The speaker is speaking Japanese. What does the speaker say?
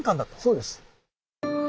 そうです。